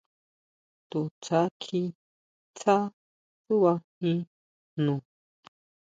To tsja kjí tsá tsúʼba jín jno.